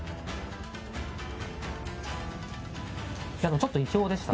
ちょっと意表でしたね。